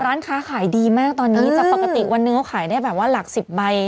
ร้านค้าขายดีมากตอนนี้จากปกติวันหนึ่งเขาขายได้แบบว่าหลักสิบใบ